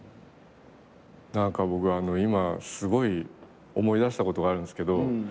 何か僕今すごい思い出したことがあるんですけど。